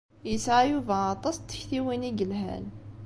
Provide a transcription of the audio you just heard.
Yesɛa Yuba aṭas n tektiwin i yelhan.